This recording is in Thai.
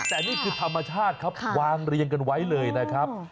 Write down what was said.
แต่นี่คือธรรมชาติครับวางเรียงกันไว้เลยนะครับ